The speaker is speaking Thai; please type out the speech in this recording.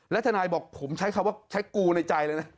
ทนายบอกผมใช้คำว่าใช้กูในใจเลยนะ